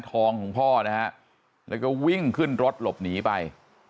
ทองของพ่อนะฮะแล้วก็วิ่งขึ้นรถหลบหนีไป